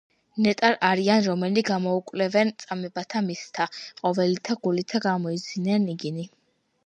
ნეტარ არიან, რომელნი გამოიკულევენ წამებათა მისთა, ყოვლითა გულითა გამოიძინენ იგინი.